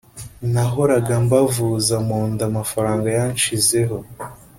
nahoraga mbavuza mu nda amafaranga yanshizeho